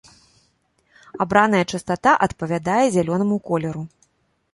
Абраная частата адпавядае зялёнаму колеру.